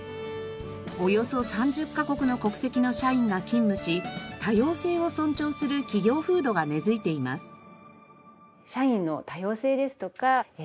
およそ３０カ国の国籍の社員が勤務し多様性を尊重する企業風土が根付いています。